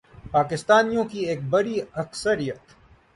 پاکستانیوں کی ایک بڑی اکثریت